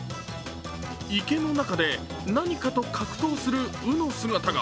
池の中で何かと格闘する鵜の姿が。